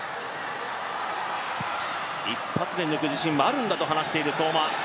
一発で抜く自信はあるんだと話している相馬。